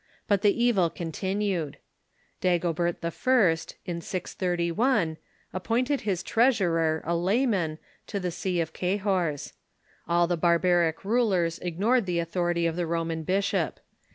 I>ut the evil continued. Dajr obert I., in 631, appointed his treasurer, a layman, to the see of Cahors. All the barbaric rulers ignored the authority of the Roman bishop.